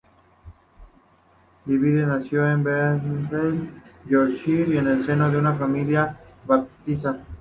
Davie nació en Barnsley, Yorkshire, en el seno de una familia baptista.